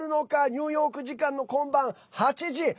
ニューヨーク時間の今晩８時。